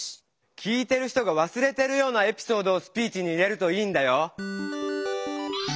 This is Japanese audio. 聞いてる人がわすれてるようなエピソードをスピーチに入れるといいんだよ。